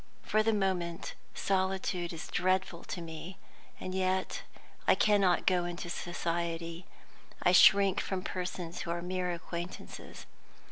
For the moment solitude is dreadful to me, and yet I cannot go into society; I shrink from persons who are mere acquaintances.